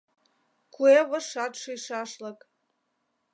Куэ вожшат шӱйшашлык.